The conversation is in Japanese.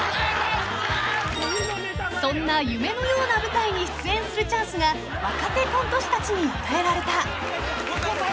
［そんな夢のような舞台に出演するチャンスが若手コント師たちに与えられた］